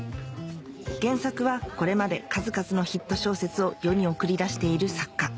原作はこれまで数々のヒット小説を世に送り出している作家